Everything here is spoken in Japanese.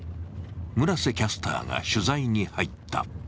村瀬キャスターが取材に入った。